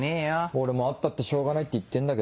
俺も会ったってしょうがないって言ってんだけど。